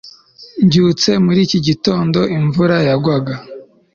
Mbyutse muri iki gitondo imvura yagwaga